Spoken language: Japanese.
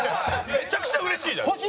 めちゃくちゃうれしいじゃないですか。